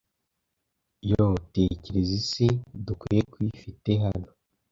Yoo! tekereza isi dukwiye kuyifite hano,